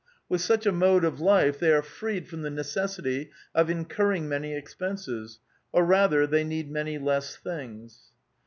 With such a mode of life thev are freed from the necessity of incurring many expenses, or, rather, they need many less things."